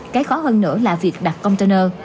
cái khó hơn nữa là việc đặt container